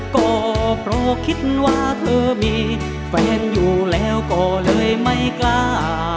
ก็เพราะคิดว่าเธอมีแฟนอยู่แล้วก็เลยไม่กล้า